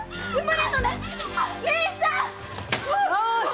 よし！